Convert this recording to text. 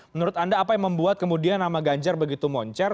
menurut anda apa yang membuat kemudian nama ganjar begitu moncer